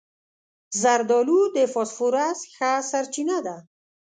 زردالو د فاسفورس ښه سرچینه ده.